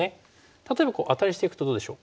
例えばアタリしていくとどうでしょう？